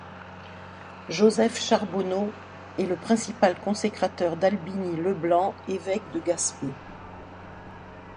Joseph Charbonneau est le principal consécrateur d'Albini Leblanc, évêque de Gaspé.